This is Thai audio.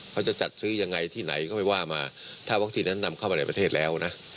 เขาจะจัดซื้อยังไงที่ไหนก็ไม่ว่ามาถ้าวัคซีนนั้นนำเข้ามาในประเทศแล้วนะ